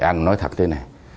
anh nói thật thế này